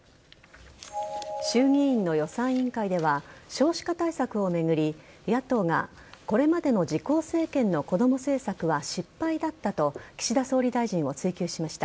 衆議院の予算委員会では、少子化対策を巡り、野党がこれまでの自公政権の子ども政策は失敗だったと岸田総理大臣を追及しました。